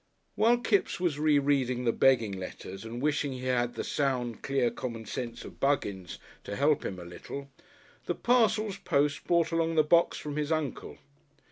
While Kipps was rereading the begging letters and wishing he had the sound, clear common sense of Buggins to help him a little, the Parcels Post brought along the box from his uncle.